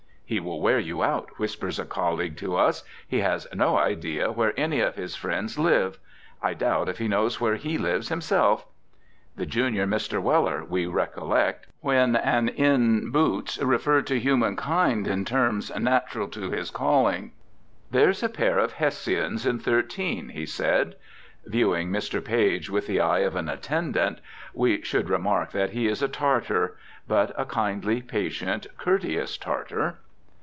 "He will wear you out," whispers a colleague to us; "he has no idea where any of his friends live. I doubt if he knows where he lives himself." The junior Mr. Weller, we recollect, when an inn "boots" referred to humankind in terms natural to his calling. "There's a pair of Hessians in thirteen," he said. Viewing Mr. Page with the eye of an attendant, we should remark that he is a Tartar. But a kindly, patient, courteous Tartar.